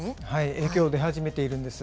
影響、出始めているんです。